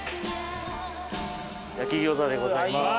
焼餃子でございます